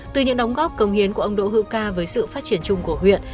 từ những đóng góp công hiến của ông đỗ hữu ca với sự phát triển chung của huyện